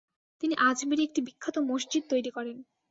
তিনি আজমিরে একটি বিখ্যাত মসজিদ তৈরি করেন।